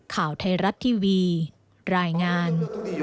ข่าวไทยรัฐทีวีรายงาน